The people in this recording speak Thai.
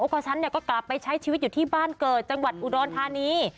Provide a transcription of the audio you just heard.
ก็ฉันก็กลับไปใช้ชีวิตอยู่ที่บ้านเกิดจังหวัดอุดรธานี